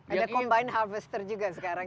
ada combine harvester juga sekarang